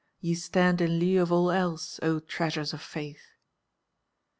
Ye stand in lieu of all else, oh, treasures of faith!